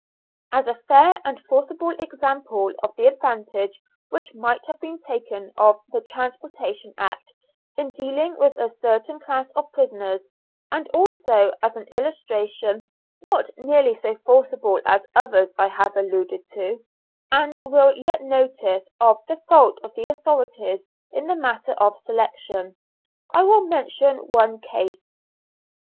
As a fair and forcible example of the advantage which might have been taken of the "Transportation Act," in dealing with a certain class of prisoners, and also as an illustration not nearly so forcible as others I have alluded to, and will yet notice of the fault of the authorities in the matter of selection, I will mention one case.